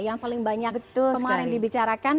yang paling banyak kemarin dibicarakan